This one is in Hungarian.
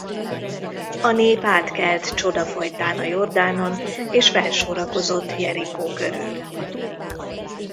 A nép átkelt csoda folytán a Jordánon és felsorakozott Jerikó körül.